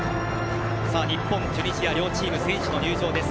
日本とチュニジアの両チーム選手の入場です。